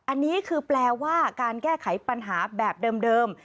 อันนี้คือแปลว่าการแก้ไขปัญหาแบบเดิม